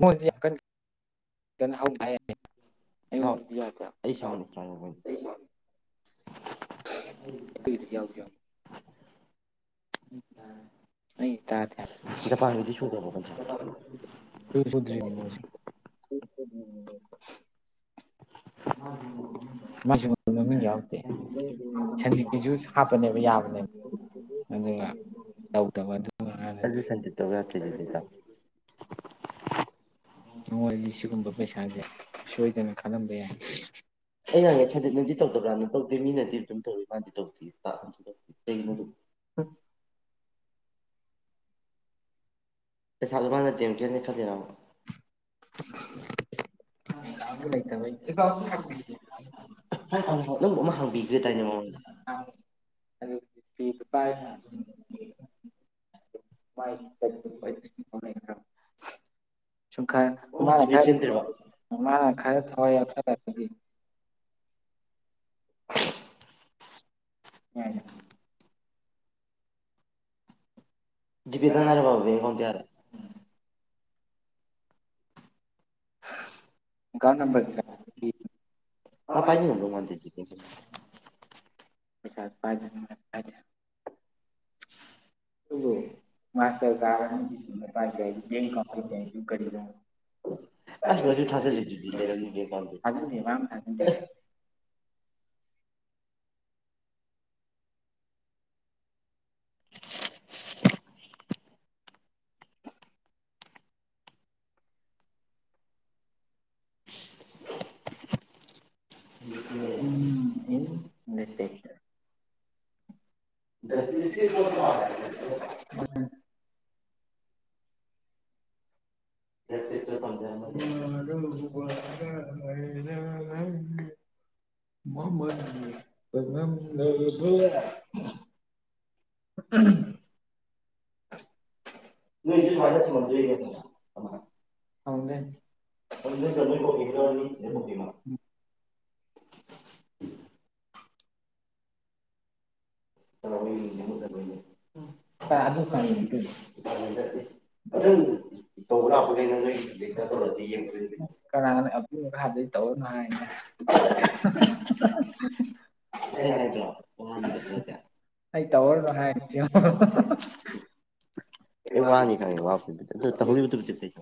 ꯍ ꯌꯥ ꯑꯩ ꯁ ꯃꯤꯁ꯭ꯔꯅꯤ ꯗꯤ ꯌꯥꯎ ꯌꯥ ꯄꯥꯟꯗꯤꯁꯨꯗꯦꯕ ꯆꯔꯤꯅꯤ ꯃꯣꯏ ꯍ ꯍ ꯃꯁꯤ ꯃꯃꯤꯡ ꯌꯥꯎꯔꯛꯇꯦ ꯁꯖꯤꯀꯤꯁꯨ ꯍꯥꯞꯄꯅꯦꯕ ꯌꯥꯕꯅꯦꯕ ꯑꯗꯨꯒ ꯇꯧꯗꯕ ꯑꯗꯨꯒ ꯑꯗꯨ ꯁꯟꯗ ꯇꯒ ꯀꯦꯖꯗꯦꯗ ꯅꯣꯏꯗꯤ ꯁꯤꯒꯨꯝꯕ ꯄꯩꯁꯥꯁꯦ ꯁꯣꯏꯗꯅ ꯈꯜꯂꯝꯕ ꯌꯥꯏ ꯑꯩꯅꯪꯦ ꯁꯟꯗꯦꯛ ꯅꯨꯡꯗꯤ ꯇꯧꯗꯕ꯭ꯔꯥꯅ ꯇꯧꯗꯦ ꯃꯤꯅꯗꯤ ꯑꯗꯨꯝ ꯇꯧꯏꯤ ꯃꯥꯗꯤ ꯇꯧꯗꯦ ꯇꯦ ꯀꯒꯤꯅꯣꯗ ꯄ ꯁꯥꯃꯥꯟꯗ ꯗꯦꯡꯀꯦꯜꯅꯤ ꯀꯖꯤꯔꯥꯎ ꯆꯥꯡ ꯂꯩ ꯀꯅꯧꯕ ꯑꯃ ꯍꯥꯡꯕꯤꯈ꯭ꯔꯦ ꯇꯥꯏꯅꯦ ꯃꯉꯣꯟꯗ ꯍ ꯥꯏ ꯁꯨꯝ ꯈꯔ ꯃꯥꯅ ꯈꯔ ꯃꯥꯅ ꯈꯔ ꯊꯋꯥꯏ ꯌꯥꯎꯊꯔꯛꯒꯗꯤ [unintelligible] ꯎꯝ ꯕꯤꯗ ꯉꯔꯦ ꯐ ꯇꯔꯦ ꯑ ꯄꯥꯏꯅꯤ ꯅꯗ ꯉꯥꯟꯗꯁꯤ [unintelligible] ꯐꯥꯏꯗꯥꯏꯖ ꯎꯝ ꯃꯥꯁꯇꯔ ꯀꯥꯔ ꯀꯃ ꯀꯗ ꯑꯗꯨꯇ ꯎꯝ ꯅꯠꯇꯦ ꯎꯝ ꯔ ꯋꯥꯒꯔ ꯃꯃꯅꯝ ꯎꯝ [unintelligible] ꯃꯗꯔꯤ ꯄꯝꯗꯦ ꯖꯦ ꯀꯧꯕ ꯂꯅꯤꯦꯀꯣꯄꯤꯃ [unintelligible] [unintelligible] [unintelligible] [unintelligible] [unintelligible] ꯑꯩꯅ ꯍꯥꯢꯗ꯭ꯔꯣ ꯑꯩ ꯋꯥꯅꯤ ꯈꯪꯉꯦ ꯋꯥꯕꯗꯤ ꯑꯗꯨ ꯇꯧꯍꯧꯔꯤꯕꯨꯗꯤ ꯐꯩ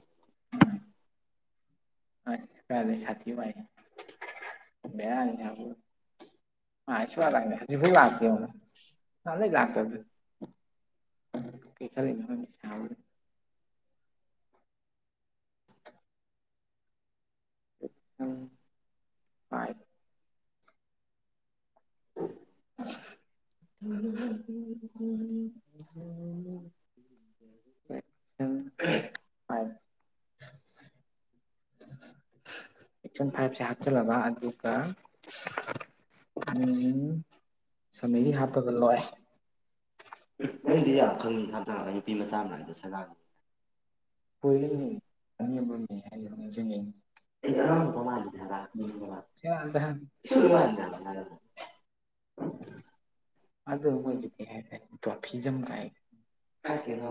ꯑꯁ ꯀꯥꯢꯗꯩ ꯁꯥꯊꯤ ꯋꯥꯢꯍꯦ ꯕꯦꯔꯥꯕꯤꯅꯦ [unintelligible] ꯍꯧꯖꯤꯛ ꯐꯧ ꯂꯥꯛꯇꯦ ꯌꯦꯡꯉꯨꯅꯦ [unintelligible] ꯀꯩ ꯈꯜꯂꯤꯅꯣ ꯈꯪꯗꯦ [unintelligible] ꯎꯝ [unintelligible] [unintelligible] [unintelligible] [inaudible] [inaudible] ꯑꯦꯛꯁꯟ ꯐꯥꯏꯚꯁꯦ ꯍꯥꯞꯆꯜꯂꯕ ꯑꯗꯨꯒ ꯎꯝ ꯁꯝꯃꯦꯔꯤ ꯍꯥꯞꯄꯒ ꯂꯣꯏꯔꯦ ꯅꯪꯗꯤ ꯌꯥꯝ ꯈꯪꯉꯤ [unintelligible] [unintelligible] ꯑꯩꯗꯤ ꯑꯉꯥꯡ ꯅꯨꯄꯥ ꯃꯥꯜꯂꯤꯅꯦ ꯍꯥꯢꯕ [unintelligible] ꯑꯁꯦꯡꯕꯩ ꯃꯥꯜꯂꯤꯅꯦ [inaudible] ꯑꯗꯨ ꯃꯣꯏꯖꯦ ꯀꯩ ꯍꯥꯏꯇꯥꯔꯦ ꯗꯋ꯭ꯥꯞꯐꯤꯖꯝ ꯀꯥꯏ ꯀꯥꯢꯗꯩꯅꯣ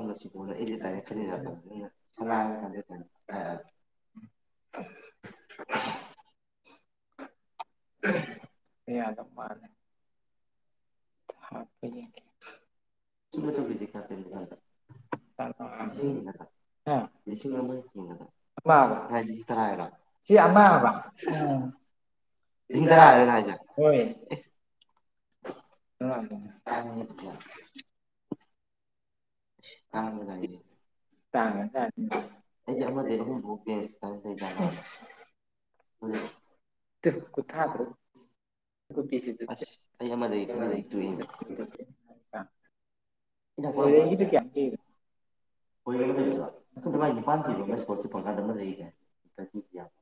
[unintelligible] [inaudible] [inaudible] ꯀꯌꯥꯗ ꯃꯥꯜꯂꯦ ꯍꯥꯞꯄ ꯌꯦꯡꯒꯦ [unintelligible] ꯂꯤꯁꯤꯡ ꯑꯃ ꯍꯦꯟꯒꯗ꯭ꯔꯥ [unintelligible] ꯂꯤꯁꯤꯡ ꯇꯔꯥ ꯍꯥꯢꯔꯣ ꯅꯪ ꯍꯥꯢꯁꯦ [unintelligible] [unintelligible] ꯑꯩꯗꯤ ꯑꯃꯗꯩꯅ ꯑꯍꯨꯝ ꯐꯧ [unintelligible] [inaudible] [unintelligible] [unintelligible] [unintelligible] ꯑꯩ ꯑꯃ ꯂꯩꯒꯦ ꯈꯜꯂꯤꯁꯤꯗꯤ ꯇꯣꯛꯑꯦꯅꯦ [unintelligible] [unintelligible] ꯍꯣꯢ ꯃꯥꯢ ꯅꯤꯄꯥꯟ ꯄꯤꯕ ꯑꯃ ꯍꯟꯗꯛ ꯁ꯭ꯀꯣꯂꯔꯁꯤꯞ ꯐꯪꯕꯗ ꯑꯃ ꯂꯩꯒꯤ ꯗꯥꯢꯅꯦ ꯊꯥꯔꯇꯤꯗꯤ ꯌꯥꯝꯃꯦ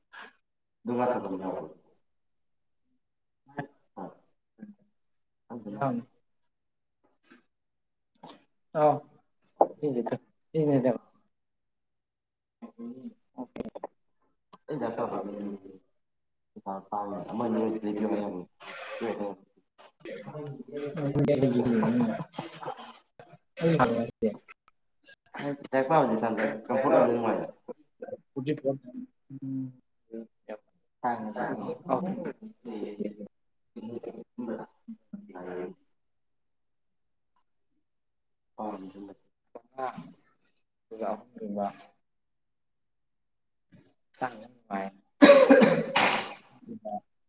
[unintelligible] [unintelligible] ꯑꯥꯎ [unintelligible] [inaudible] ꯑꯣꯀꯦ [unintelligible] [unintelligible] ꯑꯃ ꯑꯅꯤ ꯑꯣꯢꯗꯤ ꯂꯩꯕꯤꯌꯣ ꯍꯥꯢꯕ ꯌꯥꯕ [unintelligible] [unintelligible] ꯊ ꯑꯩ ꯑꯕ ꯆꯥꯡꯅꯨꯡꯥꯏ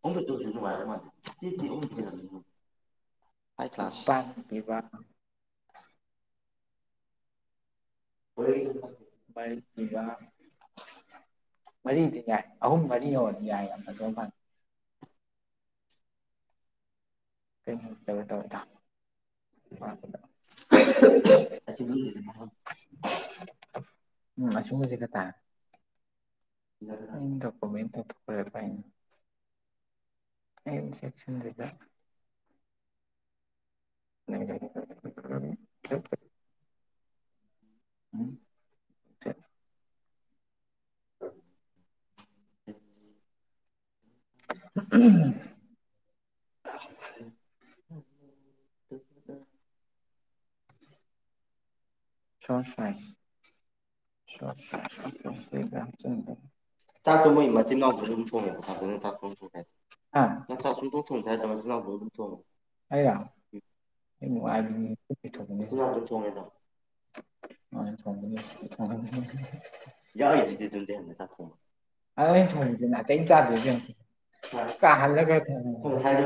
ꯑꯃ ꯆꯁꯨ ꯅꯨꯡꯉꯥꯏ ꯊꯤꯝ ꯍ ꯀ꯭ꯂꯥꯁ ꯑꯩꯣꯏ ꯃꯔꯤꯗꯤ ꯌꯥꯏ ꯑꯍꯨꯝ ꯃꯔꯤ ꯑꯣꯏꯗꯤ ꯌꯥꯏ ꯌꯥꯝ ꯐ ꯐꯦ ꯀꯦ ꯇꯦ ꯅꯤ ꯀ ꯎꯝ ꯑꯁꯤꯒꯨꯝꯕꯕꯁꯤꯛ ꯈ ꯇꯥꯏꯦ ꯏꯟ ꯆꯦꯛꯁꯤꯟꯒ [unintelligible] ꯎꯝ ꯎꯝ ꯎꯝ [inaudible] ꯁꯁꯁꯤ ꯁ ꯁ ꯆꯗ ꯆꯥꯛꯇꯣ ꯃꯣꯏ ꯃꯆꯤꯟꯅꯥꯎꯗꯣ ꯑꯗꯨꯝ ꯊꯣꯡꯉꯦꯀ ꯊ ꯐꯖꯅ ꯆꯥꯛꯇꯣꯝ ꯊꯣꯡꯉꯦ ꯃ ꯁꯥꯇ ꯇꯧꯊ ꯊꯥꯏ ꯇ ꯆ ꯂꯥꯛ ꯑꯗꯨ ꯊ ꯃꯊꯅꯦ ꯑ ꯊ ꯌꯥꯎꯏꯗꯤꯗꯨꯦ ꯍꯥꯏꯅꯦ ꯁꯥꯦꯡ ꯑ ꯊ ꯆꯥ ꯁꯥꯏꯗ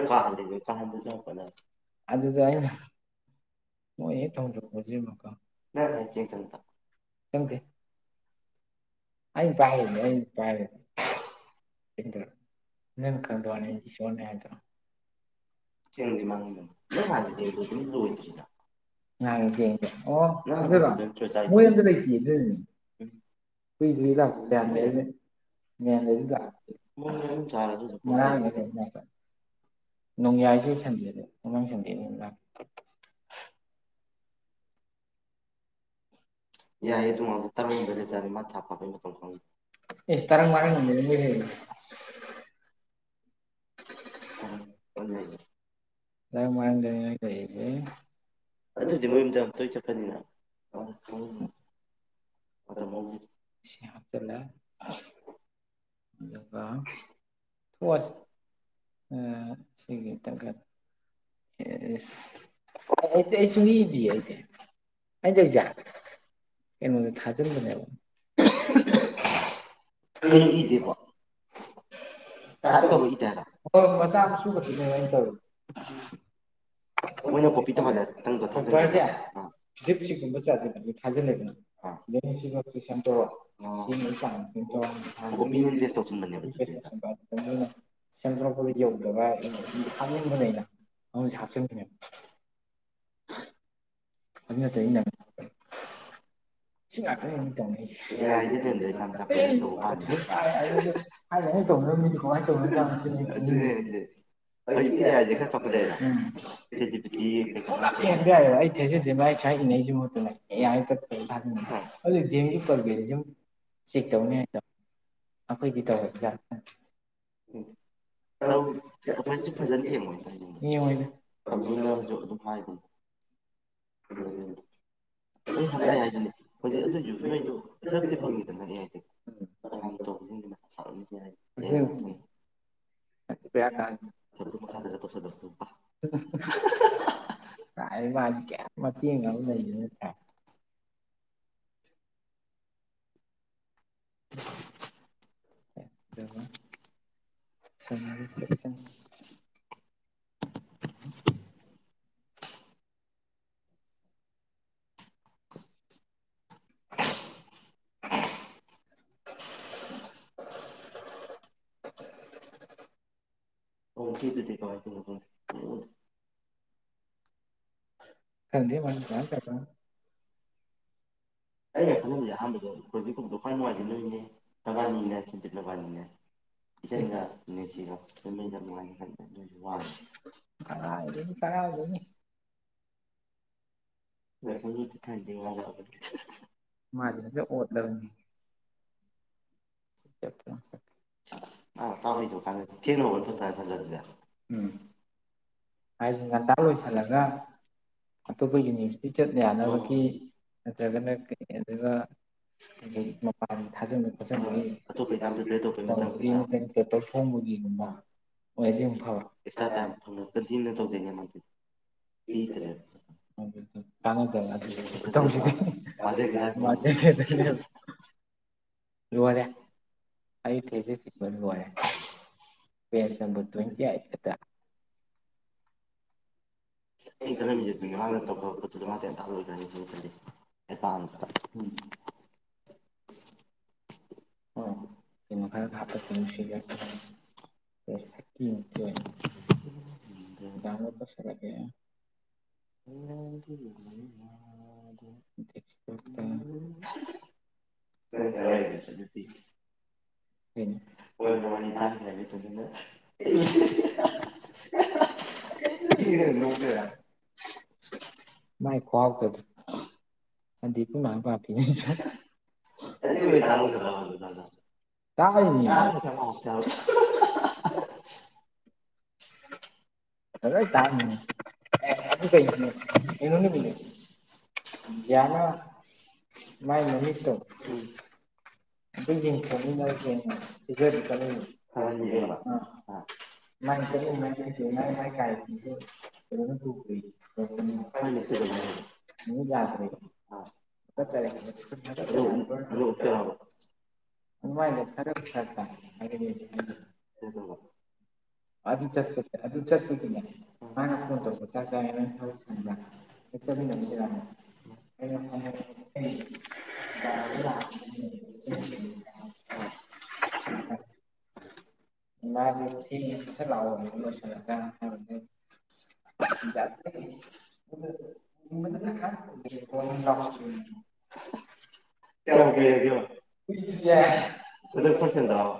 ꯀꯍꯥ ꯂꯩꯗ ꯀꯍꯗ ꯆ ꯄ ꯑꯗꯨ ꯑꯗꯨꯁꯨ ꯑꯅ ꯊꯧꯗ ꯍꯧꯖꯤ ꯃ ꯀꯇ ꯑꯩꯅ ꯄꯥꯔꯅꯤ ꯄꯥꯔ ꯅ ꯈꯗ ꯋꯥꯅꯤꯅꯦꯗ ꯀ ꯌꯥ ꯀꯦꯦ ꯑꯣꯔ ꯃꯨꯔꯇ ꯐꯤ ꯂ ꯅ ꯅꯣꯡꯌꯥꯏꯁꯨ ꯁꯟꯗꯦꯗ ꯃꯃꯥꯡ ꯁꯟꯗꯦꯗ ꯂ ꯌꯥꯔꯔ ꯑꯦ ꯇꯔꯒ ꯃꯔꯅ [inaudible] ꯇ ꯃꯥꯏ ꯀꯩꯦ ꯑꯗꯨꯏꯗꯤ ꯃꯣꯏ ꯃꯗ ꯌꯥꯝ ꯇꯣꯏ ꯆꯠꯄꯅꯤꯅ ꯃꯥ ꯈꯪ ꯏ ꯍꯥꯇꯅ ꯑꯗꯨꯒ ꯊꯁꯤ ꯑ ꯁꯤꯒꯤꯠꯇ ꯑꯩ ꯑꯩ ꯁꯃꯤꯗꯤ ꯑꯩꯖ ꯑꯦꯔ ꯃꯦ ꯊꯥꯖꯦꯜꯗꯅꯦꯃꯣꯟ ꯍ ꯍꯣꯏ ꯃꯁꯥ ꯑꯃ ꯁꯨ ꯇꯔ ꯃꯣꯏꯅ ꯀꯣꯄꯤ ꯇꯧꯍꯜꯂꯦ ꯅꯪꯗꯣ ꯊꯥꯖꯟꯈ꯭ꯔꯒꯦ ꯑ ꯖꯤꯞꯁꯤꯨꯝꯕ ꯆ ꯊꯥꯖ ꯂꯩꯅ ꯁꯤ ꯁꯦꯝꯇ ꯆ [unintelligible] ꯅ ꯁꯦꯝꯗꯣꯔꯛꯄꯗ ꯌꯧꯗꯕ ꯍꯥꯅꯤꯡꯕꯅꯦꯩꯅ [unintelligible] ꯑ ꯍꯥꯞꯆꯪ [unintelligible] ꯑꫭꯟꯅ ꯇꯩꯅꯥ ꯁꯤ ꯉꯥꯛꯇꯅꯦꯃꯤ ꯇꯧꯅꯩꯁꯦ [unintelligible] ꯃ ꯇꯧꯅꯕ ꯃꯤꯗꯨꯣ ꯀꯃꯥꯏꯅ ꯇꯧꯅ ꯆꯠꯅꯣꯁꯤ ꯑꯩ ꯈꯪꯅꯤꯡꯉꯦ [unintelligible] ꯎꯝ ꯄꯨꯅ ꯌꯦꯟꯕ ꯌꯥꯏ ꯑꯩ ꯊꯦꯖꯤꯜꯁꯦ ꯃꯥꯏ ꯁ [unintelligible] ꯃ [unintelligible] ꯍꯧꯖꯤ ꯦꯝꯒꯤ ꯄ꯭ꯔꯣꯕꯂꯦꯝꯁꯤ ꯁꯨꯝ ꯆꯦꯛ ꯇꯧꯅꯤ ꯍꯥꯏ ꯇ [unintelligible] ꯑꯩꯈꯣꯏꯗꯤ ꯇꯧꯔꫭꯏꯗꫭꯏ ꯖꯥꯠꯂꯥ ꯎ ꯇꯧ ꯑꯩꯈꯣꯏꯁꯨ ꯐꯖꯅ ꯊꯦꯡꯉꯣꯏ ꯇꯡꯗ [unintelligible] ꯁꯂꯨꯅ ꯍꯧꯁꯨꯛ ꯑꯗꯨꯝ ꯍꯥꯏꯕ [unintelligible] ꯎꯝ ꯎꯝ ꯑꯗꯨ ꯍꯪꯉꯛꯑꯦ ꯍꯥꯏꯗꯅꯦ ꯍꯧꯖꯤꯛ ꯑꯗꯨꯑꯣꯏꯁꯨ ꯅꯣꯏꯗꯣ ꯐꯂꯞꯛꯇꯤ ꯐꯪꯉꯗꯅ ꯑꯩ ꯍꯥꯏꯗꯤꯥꯟ ꯇꯣꯡꯧꯕꯁꯤꯡꯗꯤ ꯃꯥ ꯁꯥꯔꯅꯤꯗꯤꯦ ꯍꯥꯏꯗꯤ [unintelligible] ꯍ [unintelligible] ꯀꯌꯥ ꯀꯥꯏ ꯃ ꯆ ꯇꯣꯁꯗ [unintelligible] ꯀꯥꯏꯗꯩ ꯃꯗꯤ ꯀꯩꯏꯝ ꯃꯇ‌ꯦꯡ ꯑꯃꯥ ꯂꯩꯕꯁꯨ ꯅꯠꯇ‌ꯦ ꯑꯗꯨꯒ ꯁ [unintelligible] ꯁꯪ [unintelligible] [unintelligible] [inaudible] ꯑꯃꯨꯛꯀꯤꯗꯨꯗꯤ ꯀꯃꯥꯏ ꯊꯧꯔꯤꯅꫭ ꯈꯪꯗ‌ꯦ ꯀꯗ ꯃꯅꯤ ꯀ ꯀꯗ [unintelligible] ꯑꯩꯅ ꯈꯜꯂꯝꯁꯦ ꯑꯍꯥꯟꯕꯗ ꯀ꯭ꯔꯣꯖꯤꯛꯀ ꯗꯨꯀꯥꯟ ꯅꯨꯡꯉꯥꯏꯖꯦ ꯅꯣꯏꯅꯦ ꯅꯕꯥ ꯅꯣꯏꯅꯦ ꯁꯟꯖꯤꯠ ꯅꯕꯥꯅꯤꯅꯦ ꯏꯆꯟꯒ ꯅꯨꯡꯁꯤꯒ ꯐꯃꯩꯒ ꯅꯨꯡꯉꯥꯏ ꯈꯟ ꯑꯗꯨꯣꯏꯁꯨ ꯋꯥꯉꯤ ꯑꯗꯨ ꯈꯔꯥꯎꯒꯅꯤ [unintelligible] ꯃ ꯁꯪ ꯊꯗ [unintelligible] ꯃꯥꯗꯤ ꯐꯖꯅꯥ ꯑꯣꯠꯂꯕꯅꯤ ꯑ ꯇꯥꯎꯗ ꯀꯥꯟ ꯐꯦꯔꯣꯕ ꯊ ꯇꯖ ꯑꯗꯨꯗ [unintelligible] ꯍꯥꯏ ꯉꯟꯇꯥ ꯂꫭꯏꯍꯟꯂꯒꯥ ꯑꯇꯣꯞꯄ ꯌꯨꯅꯤꯚꯔꯁꯤꯇꯤ ꯆꯠꯅ ꯌꯥꯅꯕꯒꯤ ꯅꯠꯇ꯭ꯔꯒꯅꯩ ꯑꯗꯨꯒ ꯃꯄꯥꯟ ꯊꯥꯖꯤꯟꯕ ꯈꯣꯠꯆꯟꯕꯒꯤ ꯇꯝꯕꯒꯤ ꯅꯠꯇ꯭ꯔꯒ ꯄꯦꯇ꯭ꯔꯣꯜ ꯊꯣꯡꯕꯒꯤ [unintelligible] [unintelligible] [inaudible] ꯇꯥꯏ ꯐꯪꯉ [unintelligible] ꯌꯨꯝꯗ ꯇꯧꯖꯅ‌ꯦ ꯃꯥꯗꯤ ꯃꯤꯃꯇ ꯂꯩꯔꯝꯃꫭꯏ ꯄꯖꯦ ꯀꯗ [unintelligible] ꯍ [unintelligible] [inaudible] [unintelligible] [inaudible] ꯑꯩ ꯈꯜꯂꯝꯃꯤꯖꯦꯗꯨꯅꯦ ꯃꯥꯅ ꯇꯧꯈꯄ ꯈꯣꯠꯇꯨꯗꯣ ꯃꯥꯗꯤꯦ ꯑꯝꯇ ꯍꯂꯣꯏꯈ꯭ꯔꯅꯤ ꯁꯤ ꯈꯠꯜꯂꯤꯁꯦ ꯑꯦꯀꯥꯟ [unintelligible] ꯀꯩꯅꯣ ꯐ ꯍꯥꯄ ꯀꯩꯅ ꯁꯤꯒꯔꯦ [unintelligible] ꯄ‌ꯦꯄ ꯊꯔꯇꯤ ꯃꯨꯛꯇꯤ ꯑꫭꯏꯅꯤ ꯎꯝ [unintelligible] [inaudible] ꯅ ꯀꯥꯏ ꯋꯥꯏꯗꯁ ꯑꯗꯨꯤ [unintelligible] ꯍꯕ ꯋꯥꯔꯤꯅꯤ ꯇꯥꯡꯈ꯭ꯔꯒ ꯇꯁꯤꯅ ꯑꯩꯕꯨ [unintelligible] ꯂꯗ ꯌꯥ [unintelligible] ꯃꯥꯥꯏ ꯈꯣꯋꯥꯎ ꯇ ꯑꯗꯤꯄꯨ ꯃꯥ ꯄꯥꯄꯤꯅꯦ ꯑꯆꯦ ꯇꯔ꯭ꯔ ꯇꯔ ꯊ [unintelligible] ꯆ [unintelligible] [inaudible] [unintelligible] [inaudible] ꯌꯥꯅ ꯃꯥꯢ ꯃꯃꯤꯠꯇꯣ ꯃ ꯑ [unintelligible] [inaudible] ꯍ ꯁꯤ [unintelligible] [inaudible] [unintelligible] ꯑꯅꯣꯞ ꯎꯞꯇꯣꯢꯔꯕ [unintelligible] [inaudible] [unintelligible] [inaudible] ꯁ [unintelligible] [inaudible] [unintelligible] [inaudible] ꯃꯥ [unintelligible] [inaudible] ꯂꯑꯣꯁ [unintelligible] ꯌꯥ [unintelligible] [inaudible] ꯂ [unintelligible] [inaudible] [unintelligible] [inaudible]